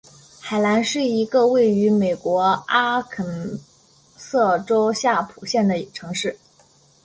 海兰是一个位于美国阿肯色州夏普县的城市。